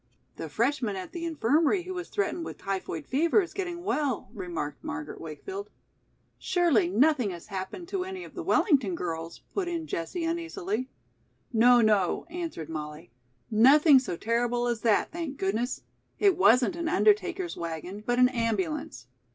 "The freshman at the Infirmary who was threatened with typhoid fever is getting well," remarked Margaret Wakefield. "Surely, nothing has happened to any of the Wellington girls?" put in Jessie uneasily. "No, no," answered Molly, "nothing so terrible as that, thank goodness. It wasn't an undertaker's wagon, but an ambulance."